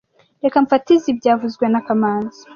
Reka mfate izoi byavuzwe na kamanzi